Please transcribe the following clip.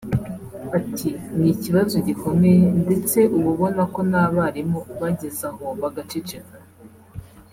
Ati “Ni ikibazo gikomeye ndetse ubu ubona ko n’abarimu bageze aho bagaceceka